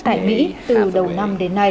tại mỹ từ đầu năm đến nay